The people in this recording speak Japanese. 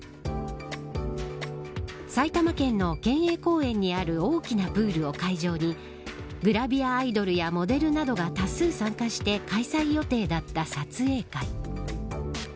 埼玉県の県営公園にある大きなプールを会場にグラビアアイドルやモデルなどが多数参加して開催予定だった撮影会。